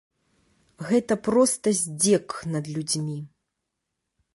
Гэта проста здзек над людзьмі.